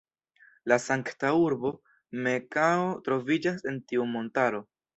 La sankta urbo Mekao troviĝas en tiu montaro.